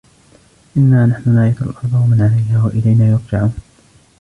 إِنَّا نَحْنُ نَرِثُ الْأَرْضَ وَمَنْ عَلَيْهَا وَإِلَيْنَا يُرْجَعُونَ